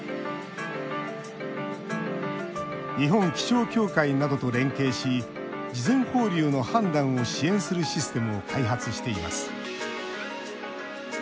日本気象協会などと連携し事前放流の判断を支援するシステムを開発しています。